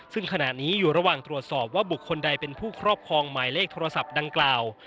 ซึ่งขณะนี้อยู่ระหว่างตรวจสอบว่าบุคคลใดเป็นผู้ครอบครองหมายเลขโทรศัพท์ดังกล่าว